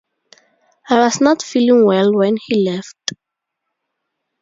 I was not feeling well when he left.